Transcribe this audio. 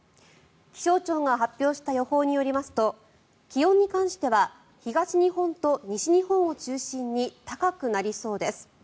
気象庁が発表した予報によりますと気温に関しては東日本と西日本を中心に高くなりそうです。